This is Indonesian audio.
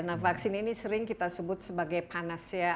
nah vaksin ini sering kita sebut sebagai panas ya